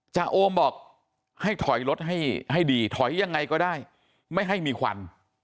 โอมบอกให้ถอยรถให้ดีถอยยังไงก็ได้ไม่ให้มีควัน